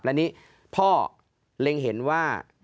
และนี้พ่อเล็งเห็นว่า